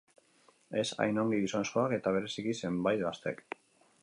Ez hain ongi gizonezkoek eta bereziki zenbait gaztek.